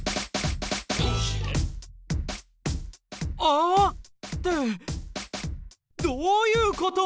「あっ！」ってどういうこと？